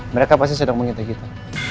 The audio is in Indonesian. mereka pasti sedang menghitung kita